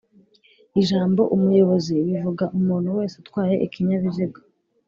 Ijambo "umuyobozi" bivuga umuntu wese utwaye ikinyabiziga